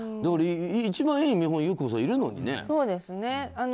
一番いい見本が友紀子さん、いるのにね。